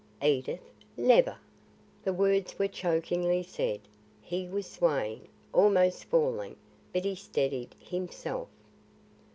"Edith? never!" The words were chokingly said; he was swaying, almost falling, but he steadied himself.